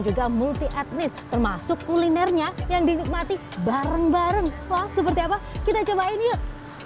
juga multi etnis termasuk kulinernya yang dinikmati bareng bareng wah seperti apa kita cobain yuk